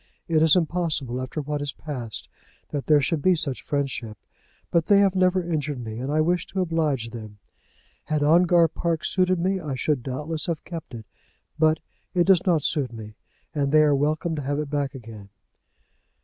It is impossible, after what has passed, that there should be such friendship. But they have never injured me, and I wish to oblige them. Had Ongar Park suited me I should, doubtless, have kept it; but it does not suit me, and they are welcome to have it back again."